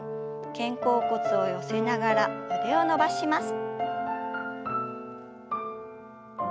肩甲骨を寄せながら腕を伸ばします。